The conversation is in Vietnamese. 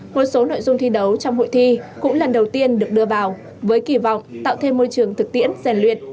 một số nội dung thi đấu trong hội thi cũng lần đầu tiên được đưa vào với kỳ vọng tạo thêm môi trường thực tiễn giàn luyện